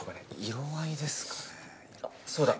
色合いですかね。